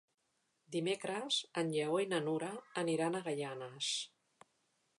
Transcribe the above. Dimecres en Lleó i na Nura aniran a Gaianes.